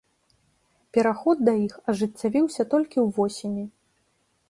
Пераход да іх ажыццявіўся толькі ў восені.